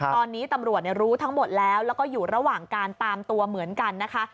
ตอนนี้ตำรวจรู้ทั้งหมดแล้วแล้วก็อยู่ระหว่างการตามตัวเหมือนกันนะคะ